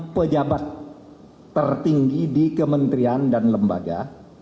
pejabat tertinggi di kementerian dan lembaga